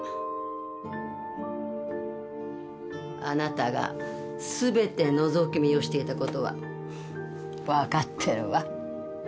あなたが全てのぞき見をしていた事はわかってるわ。